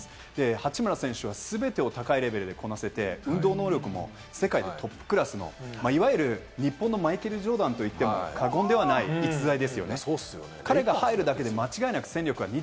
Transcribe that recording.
八村選手は全てを高いレベルでこなせて、運動能力も世界のトップクラスの、いわゆる日本のマイケル・ジョーダンと言っても過言ではない逸材ですよね。